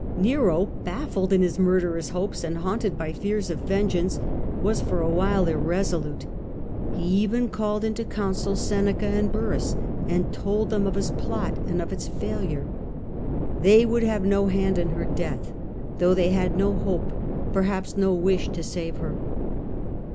Nero, baffled in his murderous hopes and haunted by fears of vengeance, was for a while irresolute. He even called into counsel Seneca and Burrhus, and told them of his plot and of its failure. They would have no hand in her death, though they had no hope, perhaps no wish to save her.